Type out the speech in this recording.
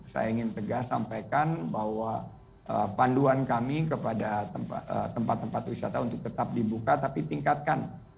saya ingin tegas sampaikan bahwa panduan kami kepada tempat tempat wisata untuk tetap dibuka tapi tingkatkan